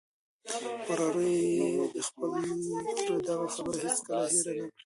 وراره یې د خپل تره دغه خبره هیڅکله هېره نه کړه.